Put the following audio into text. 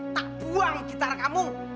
tak buang gitar kamu